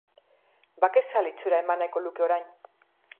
Bakezale itxura eman nahi luke orain.